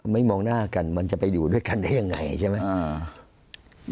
มองหน้ากันมันจะไปอยู่ด้วยกันได้ยังไงใช่ไหม